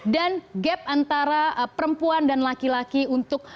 dan gap antara perempuan dan laki laki untuk